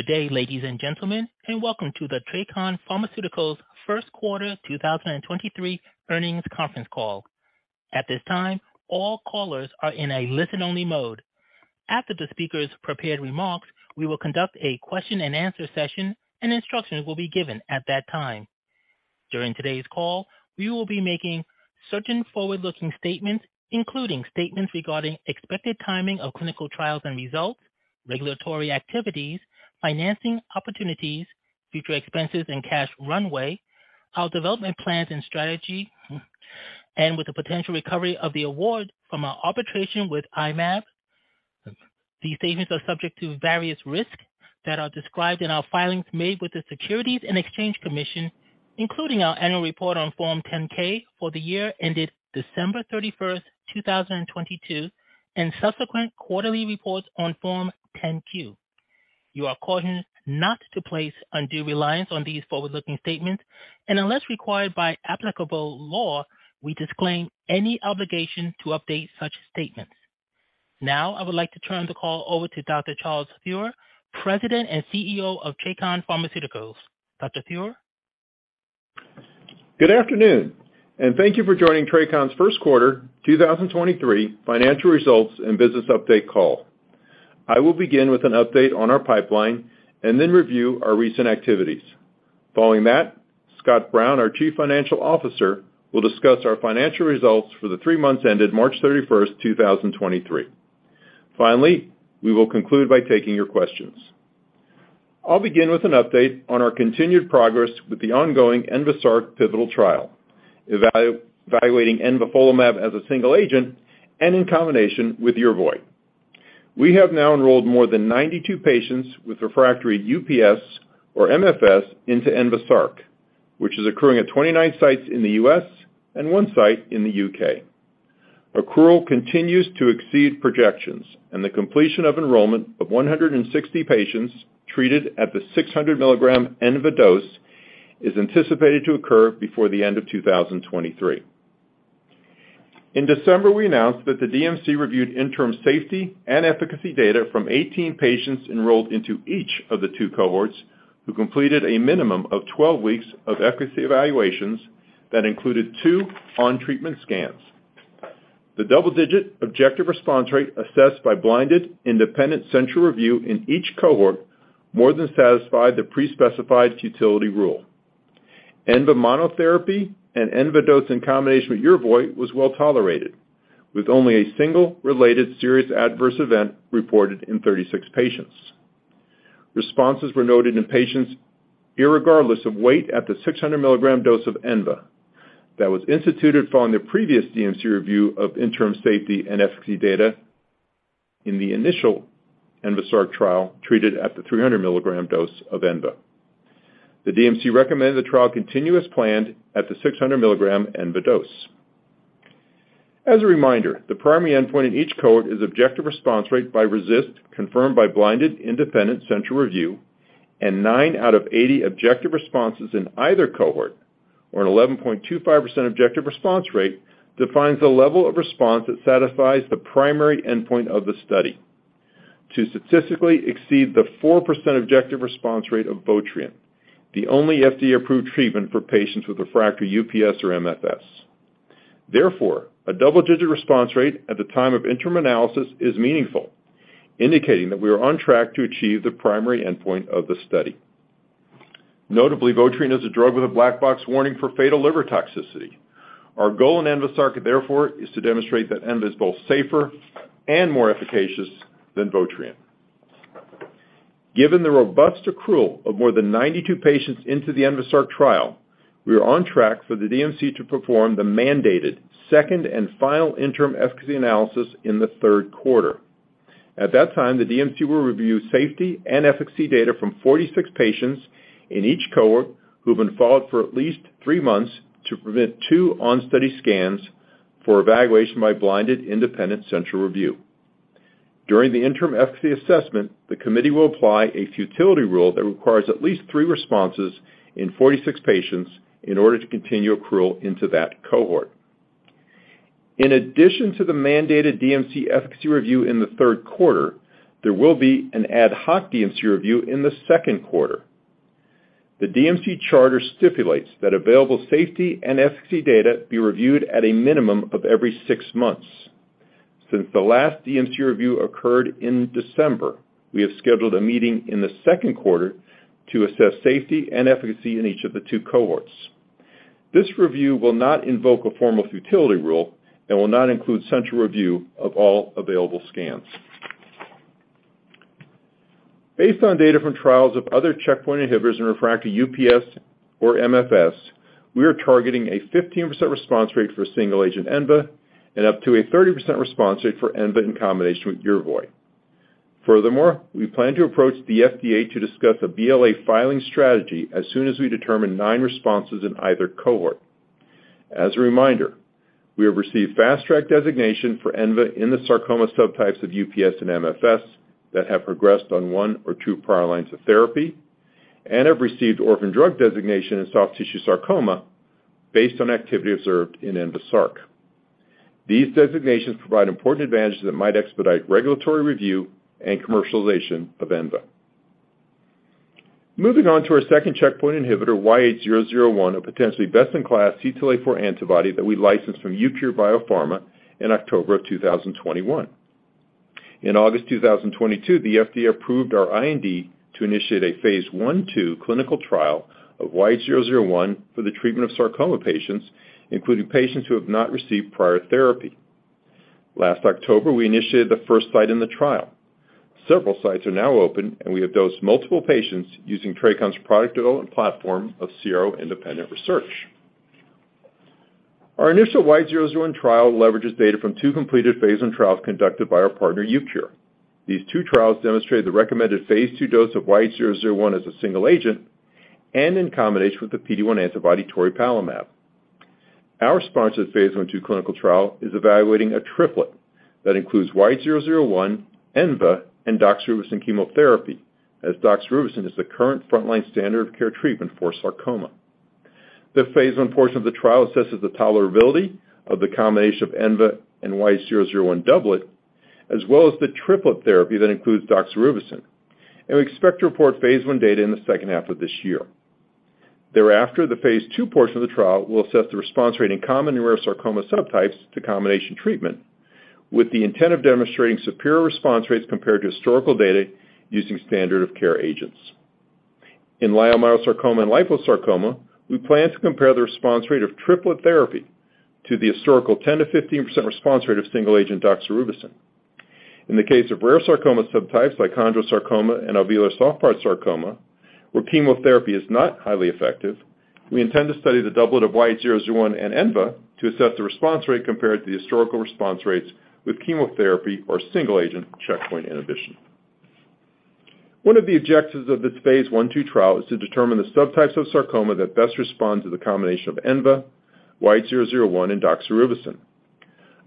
Good day, ladies and gentlemen, and welcome to the TRACON Pharmaceuticals first quarter 2023 earnings conference call. At this time, all callers are in a listen-only mode. After the speaker's prepared remarks, we will conduct a question-and-answer session, and instructions will be given at that time. During today's call, we will be making certain forward-looking statements, including statements regarding expected timing of clinical trials and results, regulatory activities, financing opportunities, future expenses and cash runway, our development plans and strategy, and with the potential recovery of the award from our arbitration with I-Mab. These statements are subject to various risks that are described in our filings made with the Securities and Exchange Commission, including our annual report on Form 10-K for the year ended December 31, 2022, and subsequent quarterly reports on Form 10-Q. You are cautioned not to place undue reliance on these forward-looking statements, and unless required by applicable law, we disclaim any obligation to update such statements. Now, I would like to turn the call over to Dr. Charles Theuer, President and CEO of TRACON Pharmaceuticals. Dr. Theuer? Good afternoon, thank you for joining TRACON's first quarter 2023 financial results and business update call. I will begin with an update on our pipeline and then review our recent activities. Following that, Scott Brown, our Chief Financial Officer, will discuss our financial results for the 3 months ended March 31, 2023. Finally, we will conclude by taking your questions. I'll begin with an update on our continued progress with the ongoing ENVASARC pivotal trial, evaluating envafolimab as a single agent and in combination with Yervoy. We have now enrolled more than 92 patients with refractory UPS or MFS into ENVASARC, which is accruing at 29 sites in the U.S. and 1 site in the U.K. Accrual continues to exceed projections, and the completion of enrollment of 160 patients treated at the 600 mg enva dose is anticipated to occur before the end of 2023. In December, we announced that the DMC reviewed interim safety and efficacy data from 18 patients enrolled into each of the two cohorts who completed a minimum of 12 weeks of efficacy evaluations that included two on-treatment scans. The double-digit objective response rate assessed by blinded independent central review in each cohort more than satisfied the pre-specified futility rule. Enva monotherapy and enva dose in combination with Yervoy was well tolerated, with only a single related serious adverse event reported in 36 patients. Responses were noted in patients regardless of weight at the 600 milligram dose of enva that was instituted following the previous DMC review of interim safety and efficacy data in the initial ENVASARC trial treated at the 300 milligram dose of enva. The DMC recommended the trial continue as planned at the 600 milligram enva dose. The primary endpoint in each cohort is objective response rate by RECIST, confirmed by blinded independent central review, nine out of 80 objective responses in either cohort, or an 11.25% objective response rate, defines the level of response that satisfies the primary endpoint of the study to statistically exceed the 4% objective response rate of Votrient, the only FDA-approved treatment for patients with refractory UPS or MFS. A double-digit response rate at the time of interim analysis is meaningful, indicating that we are on track to achieve the primary endpoint of the study. Notably, Votrient is a drug with a black box warning for fatal liver toxicity. Our goal in ENVASARC, therefore, is to demonstrate that enva is both safer and more efficacious than Votrient. Given the robust accrual of more than 92 patients into the ENVASARC trial, we are on track for the DMC to perform the mandated second and final interim efficacy analysis in the third quarter. At that time, the DMC will review safety and efficacy data from 46 patients in each cohort who have been followed for at least 3 months to permit 2 on-study scans for evaluation by blinded independent central review. During the interim efficacy assessment, the committee will apply a futility rule that requires at least 3 responses in 46 patients in order to continue accrual into that cohort. In addition to the mandated DMC efficacy review in the third quarter, there will be an ad hoc DMC review in the second quarter. The DMC charter stipulates that available safety and efficacy data be reviewed at a minimum of every 6 months. Since the last DMC review occurred in December, we have scheduled a meeting in the second quarter to assess safety and efficacy in each of the 2 cohorts. This review will not invoke a formal futility rule and will not include central review of all available scans. Based on data from trials of other checkpoint inhibitors in refractory UPS or MFS, we are targeting a 15% response rate for single-agent enva and up to a 30% response rate for enva in combination with Yervoy. We plan to approach the FDA to discuss a BLA filing strategy as soon as we determine 9 responses in either cohort. As a reminder, we have received Fast Track designation for enva in the sarcoma subtypes of UPS and MFS that have progressed on 1 or 2 prior lines of therapy and have received Orphan Drug Designation in soft tissue sarcoma based on activity observed in ENVASARC. These designations provide important advantages that might expedite regulatory review and commercialization of enva. Moving on to our second checkpoint inhibitor, YH001, a potentially best-in-class CTLA-4 antibody that we licensed from Eucure Biopharma in October of 2021. In August 2022, the FDA approved our IND to initiate a Phase I/II clinical trial of YH001 for the treatment of sarcoma patients, including patients who have not received prior therapy. Last October, we initiated the first site in the trial. Several sites are now open, and we have dosed multiple patients using TRACON's product development platform of CRO independent research. Our initial YH001 trial leverages data from 2 completed Phase I trials conducted by our partner Eucure. These 2 trials demonstrate the recommended Phase II dose of YH001 as a single agent and in combination with the PD-1 antibody toripalimab. Our sponsored Phase I/II clinical trial is evaluating a triplet that includes YH001, enva, and doxorubicin chemotherapy, as doxorubicin is the current frontline standard of care treatment for sarcoma. The phase I portion of the trial assesses the tolerability of the combination of enva and YH001 doublet, as well as the triplet therapy that includes doxorubicin. We expect to report phase I data in the second half of this year. Thereafter, the phase II portion of the trial will assess the response rate in common and rare sarcoma subtypes to combination treatment, with the intent of demonstrating superior response rates compared to historical data using standard of care agents. In leiomyosarcoma and liposarcoma, we plan to compare the response rate of triplet therapy to the historical 10%-15% response rate of single-agent doxorubicin. In the case of rare sarcoma subtypes like chondrosarcoma and alveolar soft part sarcoma, where chemotherapy is not highly effective, we intend to study the doublet of YH001 and enva to assess the response rate compared to the historical response rates with chemotherapy or single-agent checkpoint inhibition. One of the objectives of this phase I/II trial is to determine the subtypes of sarcoma that best respond to the combination of enva, YH001, and doxorubicin.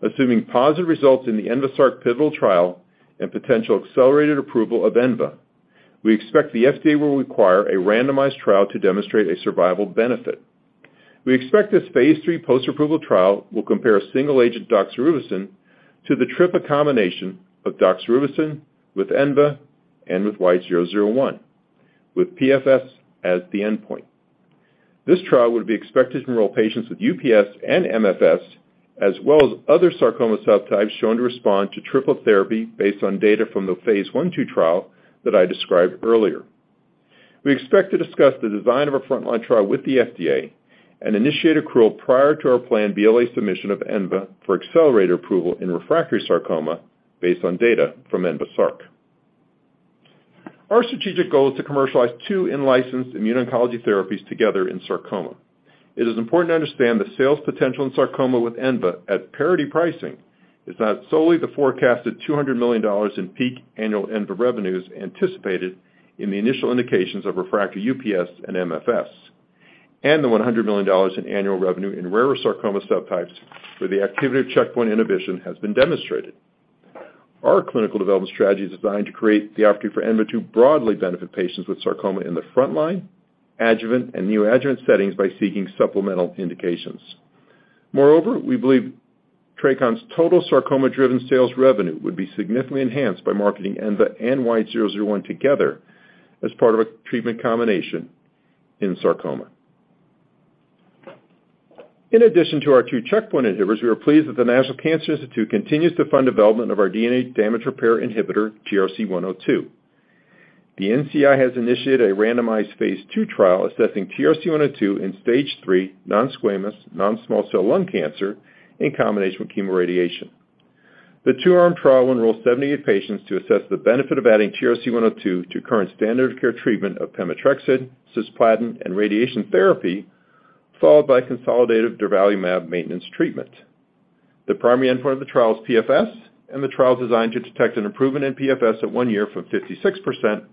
Assuming positive results in the ENVASARC pivotal trial and potential accelerated approval of enva, we expect the FDA will require a randomized trial to demonstrate a survival benefit. We expect this phase III post-approval trial will compare a single-agent doxorubicin to the triple combination of doxorubicin with enva and with YH001, with PFS as the endpoint. This trial would be expected to enroll patients with UPS and MFS, as well as other sarcoma subtypes shown to respond to triple therapy based on data from the phase I/II trial that I described earlier. We expect to discuss the design of a frontline trial with the FDA and initiate accrual prior to our planned BLA submission of enva for accelerated approval in refractory sarcoma based on data from ENVASARC. Our strategic goal is to commercialize two in-licensed immune oncology therapies together in sarcoma. It is important to understand the sales potential in sarcoma with enva at parity pricing is not solely the forecasted $200 million in peak annual enva revenues anticipated in the initial indications of refractory UPS and MFS, and the $100 million in annual revenue in rarer sarcoma subtypes where the activity of checkpoint inhibition has been demonstrated. Our clinical development strategy is designed to create the opportunity for enva to broadly benefit patients with sarcoma in the frontline, adjuvant, and neoadjuvant settings by seeking supplemental indications. Moreover, we believe TRACON's total sarcoma-driven sales revenue would be significantly enhanced by marketing enva and YH001 together as part of a treatment combination in sarcoma. In addition to our two checkpoint inhibitors, we are pleased that the National Cancer Institute continues to fund development of our DNA damage repair inhibitor, TRC102. The NCI has initiated a randomized phase II trial assessing TRC102 in Stage III non-squamous non-small cell lung cancer in combination with chemoradiation. The two-arm trial enrolls 78 patients to assess the benefit of adding TRC102 to current standard of care treatment of pemetrexed, cisplatin, and radiation therapy, followed by consolidated durvalumab maintenance treatment. The primary endpoint of the trial is PFS, and the trial is designed to detect an improvement in PFS at 1 year from 56%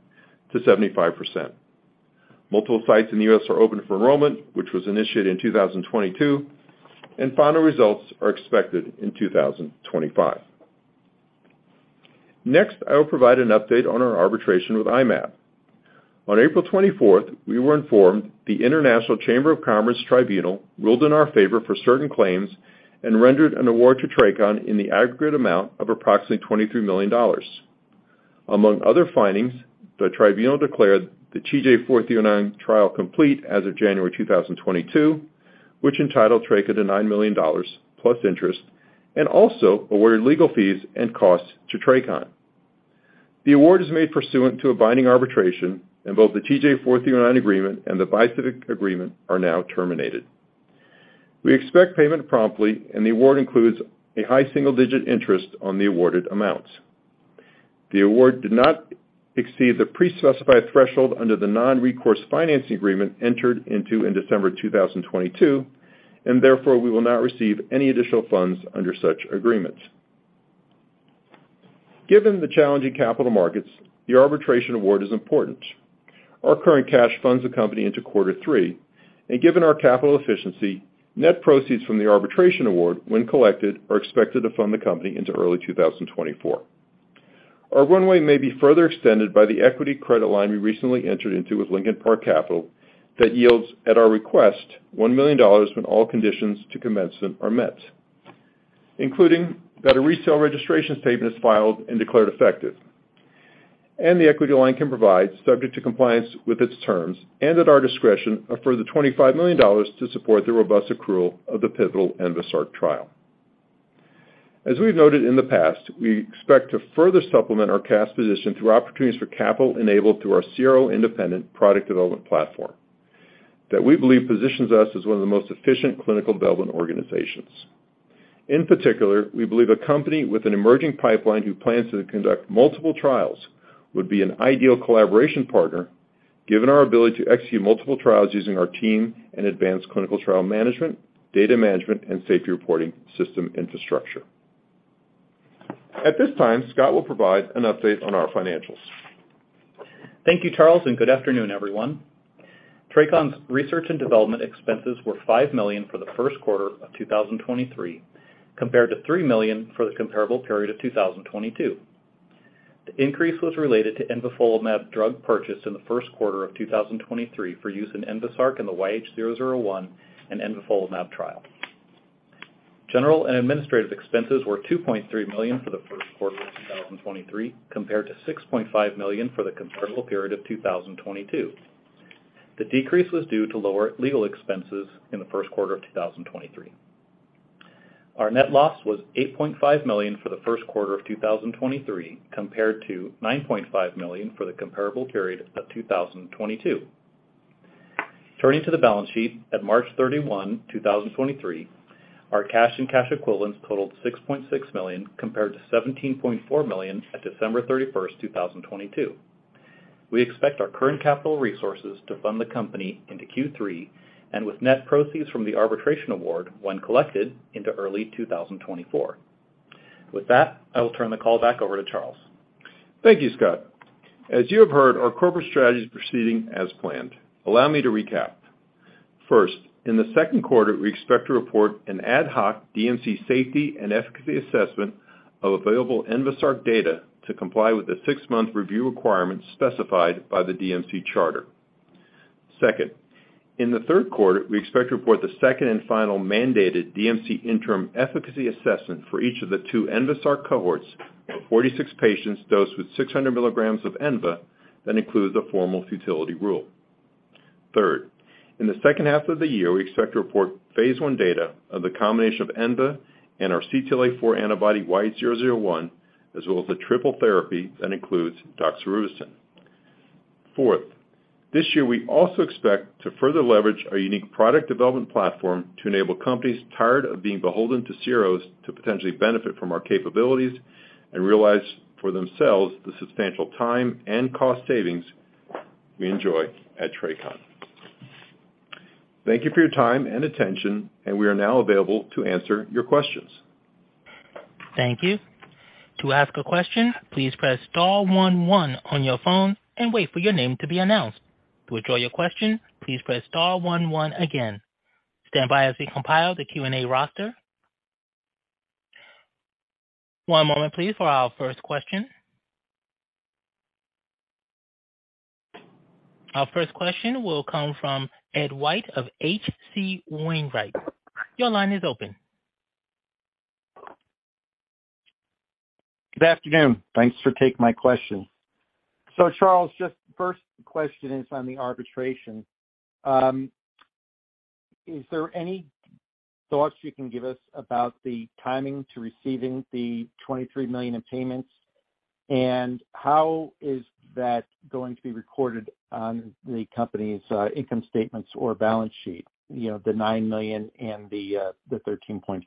to 75%. Multiple sites in the U.S. are open for enrollment, which was initiated in 2022, and final results are expected in 2025. Next, I will provide an update on our arbitration with I-Mab. On April 24th, we were informed the International Chamber of Commerce Tribunal ruled in our favor for certain claims and rendered an award to TRACON in the aggregate amount of approximately $23 million. Among other findings, the tribunal declared the TJ004309 trial complete as of January 2022, which entitled TRACON to $9 million plus interest, and also awarded legal fees and costs to TRACON. The award is made pursuant to a binding arbitration, and both the TJ004309 agreement and the Bispecific Antibody agreement are now terminated. We expect payment promptly, and the award includes a high single-digit interest on the awarded amounts. The award did not exceed the pre-specified threshold under the non-recourse financing agreement entered into in December 2022, and therefore, we will not receive any additional funds under such agreements. Given the challenging capital markets, the arbitration award is important. Our current cash funds the company into quarter three, and given our capital efficiency, net proceeds from the arbitration award when collected are expected to fund the company into early 2024. Our runway may be further extended by the equity credit line we recently entered into with Lincoln Park Capital that yields, at our request, $1 million when all conditions to commence them are met, including that a resale registration statement is filed and declared effective. The equity line can provide, subject to compliance with its terms and at our discretion, a further $25 million to support the robust accrual of the pivotal ENVASARC trial. As we've noted in the past, we expect to further supplement our cash position through opportunities for capital enabled through our CRO-independent product development platform that we believe positions us as one of the most efficient clinical development organizations. In particular, we believe a company with an emerging pipeline who plans to conduct multiple trials would be an ideal collaboration partner, given our ability to execute multiple trials using our team and advanced clinical trial management, data management, and safety reporting system infrastructure. At this time, Scott will provide an update on our financials. Thank you, Charles. Good afternoon, everyone. TRACON's research and development expenses were $5 million for the first quarter of 2023, compared to $3 million for the comparable period of 2022. The increase was related to envafolimab drug purchase in the first quarter of 2023 for use in ENVASARC in the YH001 and envafolimab trial. General and administrative expenses were $2.3 million for the first quarter of 2023, compared to $6.5 million for the comparable period of 2022. The decrease was due to lower legal expenses in the first quarter of 2023. Our net loss was $8.5 million for the first quarter of 2023, compared to $9.5 million for the comparable period of 2022. Turning to the balance sheet, at March 31, 2023, our cash and cash equivalents totaled $6.6 million, compared to $17.4 million at December 31st, 2022. We expect our current capital resources to fund the company into Q3 and with net proceeds from the arbitration award when collected into early 2024. With that, I will turn the call back over to Charles. Thank you, Scott. As you have heard, our corporate strategy is proceeding as planned. Allow me to recap. First, in the second quarter, we expect to report an ad hoc DMC safety and efficacy assessment of available ENVASARC data to comply with the 6-month review requirements specified by the DMC charter. Second, in the third quarter, we expect to report the second and final mandated DMC interim efficacy assessment for each of the 2 ENVASARC cohorts of 46 patients dosed with 600 milligrams of enva that includes a formal futility rule. Third, in the second half of the year, we expect to report Phase 1 data of the combination of enva and our CTLA-4 antibody YH001, as well as the triple therapy that includes doxorubicin. Fourth, this year, we also expect to further leverage our unique product development platform to enable companies tired of being beholden to CROs to potentially benefit from our capabilities and realize for themselves the substantial time and cost savings we enjoy at TRACON. Thank you for your time and attention. We are now available to answer your questions. Thank you. To ask a question, please press star 11 on your phone and wait for your name to be announced. To withdraw your question, please press star 11 again. Stand by as we compile the Q&A roster. One moment please for our first question. Our first question will come from Ed White of H.C. Wainwright. Your line is open. Good afternoon. Thanks for taking my question. Charles, just first question is on the arbitration. Is there any thoughts you can give us about the timing to receiving the $23 million in payments? How is that going to be recorded on the company's income statements or balance sheet? You know, the $9 million and the $13.5 million.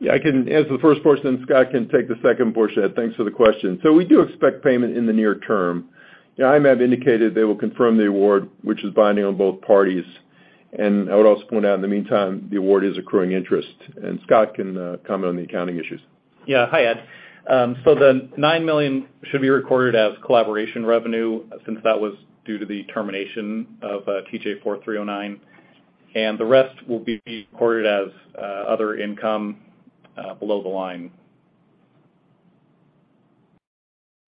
Yeah, I can answer the first portion. Scott can take the second portion. Thanks for the question. We do expect payment in the near term. Yeah, I-Mab indicated they will confirm the award, which is binding on both parties. I would also point out, in the meantime, the award is accruing interest, and Scott can comment on the accounting issues. Yeah. Hi, Ed. The $9 million should be recorded as collaboration revenue since that was due to the termination of TJ004309, and the rest will be recorded as other income below the line.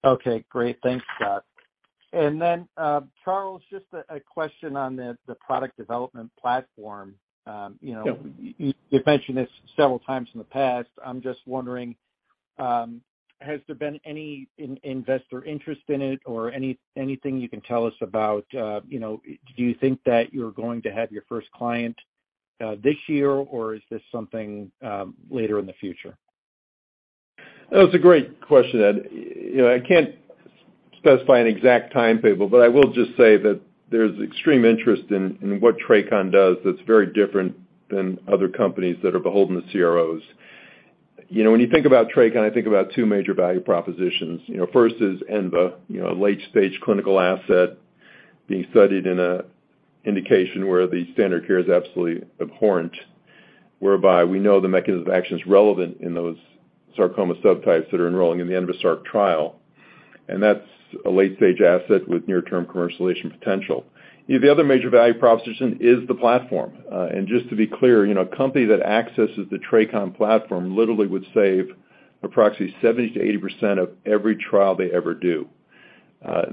Okay, great. Thanks, Scott. Charles, just a question on the product development platform. you know. Yeah. You've mentioned this several times in the past. I'm just wondering, has there been any investor interest in it or anything you can tell us about, you know, do you think that you're going to have your first client, this year, or is this something later in the future? That's a great question, Ed. You know, I can't specify an exact timetable, but I will just say that there's extreme interest in what TRACON does that's very different than other companies that are beholden to CROs. You know, when you think about TRACON, I think about two major value propositions. You know, first is enva, you know, a late-stage clinical asset being studied in a indication where the standard care is absolutely abhorrent, whereby we know the mechanism of action is relevant in those sarcoma subtypes that are enrolling in the ENVASARC trial. That's a late-stage asset with near-term commercialization potential. The other major value proposition is the platform. Just to be clear, you know, a company that accesses the TRACON platform literally would save approximately 70% to 80% of every trial they ever do.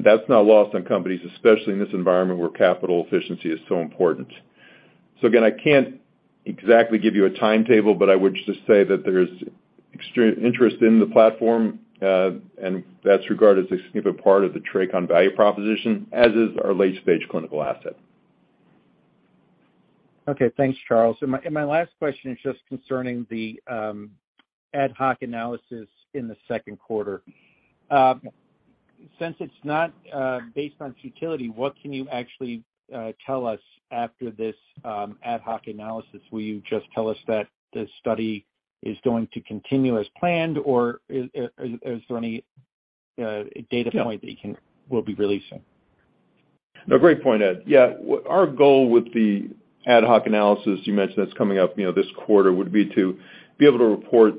That's not lost on companies, especially in this environment where capital efficiency is so important. Again, I can't exactly give you a timetable, but I would just say that there's extreme interest in the platform, and that's regarded as a significant part of the TRACON value proposition, as is our late-stage clinical asset. Okay, thanks, Charles. My last question is just concerning the ad hoc analysis in the second quarter. Since it's not based on futility, what can you actually tell us after this ad hoc analysis? Will you just tell us that the study is going to continue as planned, or is there any data point that we'll be releasing? Great point, Ed. Our goal with the ad hoc analysis you mentioned that's coming up, you know, this quarter would be to be able to report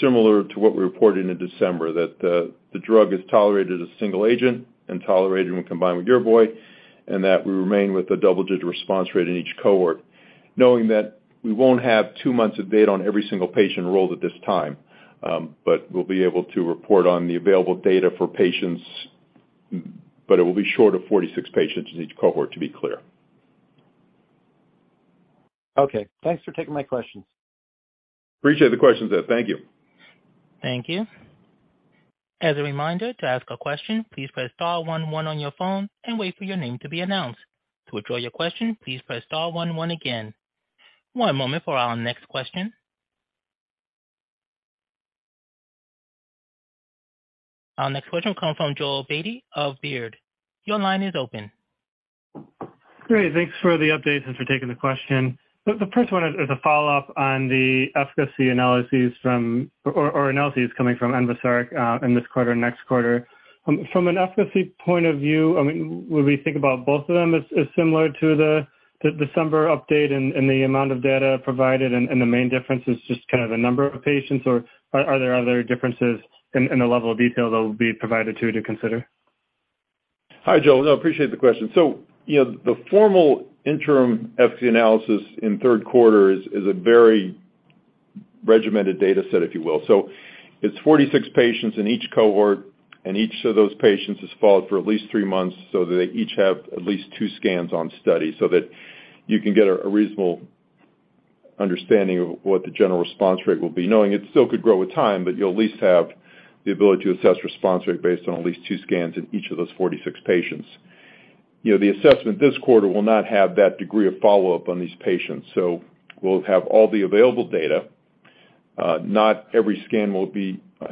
similar to what we reported in December, that the drug is tolerated as single agent and tolerated when combined with Yervoy, and that we remain with a double-digit response rate in each cohort, knowing that we won't have two months of data on every single patient enrolled at this time. We'll be able to report on the available data for patients, but it will be short of 46 patients in each cohort, to be clear. Okay. Thanks for taking my questions. Appreciate the questions, Ed. Thank you. Thank you. As a reminder, to ask a question, please press star one one on your phone and wait for your name to be announced. To withdraw your question, please press star one one again. One moment for our next question. Our next question comes from Joel Beatty of Baird. Your line is open. Great. Thanks for the updates and for taking the question. The first one is a follow-up on the efficacy analyses from or analyses coming from ENVASARC in this quarter, next quarter. From an efficacy point of view, I mean, when we think about both of them as similar to the December update and the amount of data provided and the main difference is just kind of the number of patients, or are there other differences in the level of detail that will be provided to you to consider? Hi, Joel. No, I appreciate the question. You know, the formal interim efficacy analysis in third quarter is a very regimented data set, if you will. It's 46 patients in each cohort, and each of those patients is followed for at least 3 months, so they each have at least 2 scans on study so that you can get a reasonable understanding of what the general response rate will be, knowing it still could grow with time, but you'll at least have the ability to assess response rate based on at least 2 scans in each of those 46 patients. You know, the assessment this quarter will not have that degree of follow-up on these patients. We'll have all the available data. Not every scan will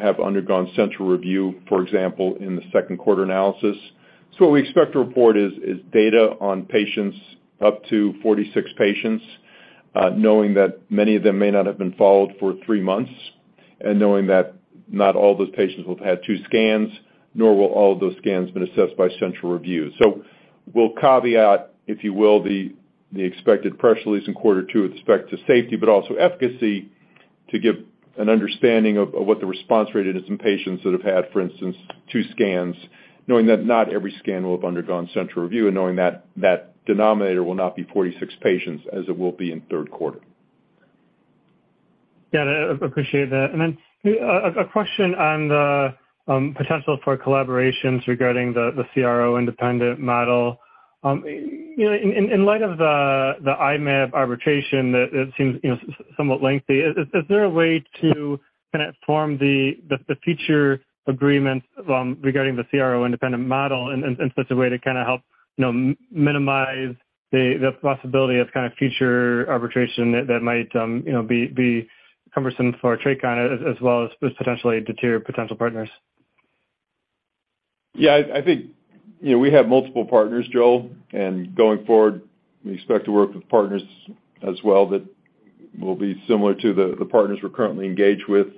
have undergone central review, for example, in the second quarter analysis. What we expect to report is data on patients up to 46 patients, knowing that many of them may not have been followed for three months, and knowing that not all those patients will have had two scans, nor will all of those scans been assessed by central review. We'll caveat, if you will, the expected press release in quarter two with respect to safety, but also efficacy to give an understanding of what the response rate is in patients that have had, for instance, two scans, knowing that not every scan will have undergone central review and knowing that denominator will not be 46 patients as it will be in third quarter. Yeah, I appreciate that. A question on the potential for collaborations regarding the CRO independent model. You know, in light of the I-Mab arbitration that it seems, you know, somewhat lengthy, is there a way to kind of form the future agreements regarding the CRO independent model in such a way to kinda help, you know, minimize the possibility of kind of future arbitration that might, you know, be cumbersome for TRACON as well as potentially deteriorate potential partners? Yeah, I think, you know, we have multiple partners, Joel. Going forward, we expect to work with partners as well that will be similar to the partners we're currently engaged with,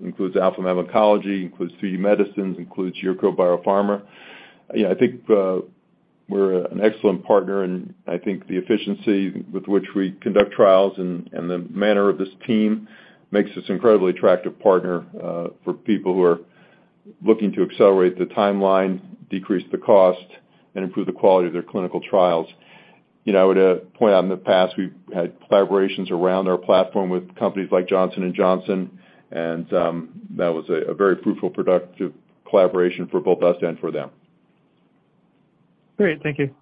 includes Alphamab Oncology, includes 3D Medicines, includes Eucure Biopharma. You know, I think, we're an excellent partner, and I think the efficiency with which we conduct trials and the manner of this team makes us incredibly attractive partner for people who are looking to accelerate the timeline, decrease the cost, and improve the quality of their clinical trials. You know, to point out in the past, we've had collaborations around our platform with companies like Johnson & Johnson. That was a very fruitful, productive collaboration for both us and for them. Great. Thank you.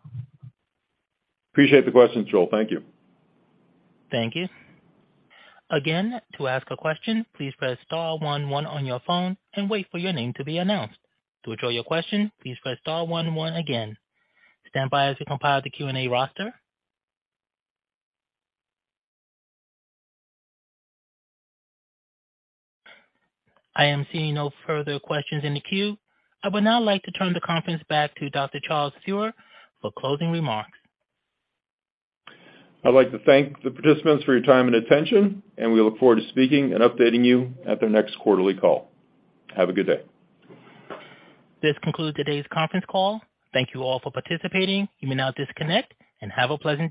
Appreciate the questions, Joel. Thank you. Thank you. Again, to ask a question, please press star 11 on your phone and wait for your name to be announced. To withdraw your question, please press star 11 again. Stand by as we compile the Q&A roster. I am seeing no further questions in the queue. I would now like to turn the conference back to Dr. Charles Theuer for closing remarks. I'd like to thank the participants for your time and attention, and we look forward to speaking and updating you at the next quarterly call. Have a good day. This concludes today's conference call. Thank you all for participating. You may now disconnect and have a pleasant day.